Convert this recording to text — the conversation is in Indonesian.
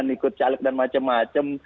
ikut caleg dan macem macem